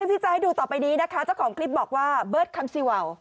ที่จะให้ดูต่อไปนี้นะคะเจ้าของคลิปบอกว่าเบิร์ดคำซีวาว